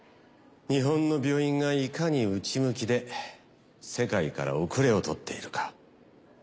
日本の病院がいかに内向きで世界から遅れをとっているか。